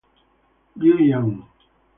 Liu Jian